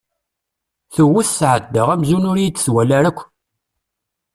Tewwet tɛedda amzun ur iyi-d-twala ara akk.